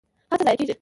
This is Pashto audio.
هڅه ضایع کیږي؟